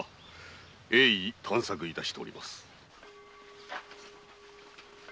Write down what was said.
鋭意探索致しております。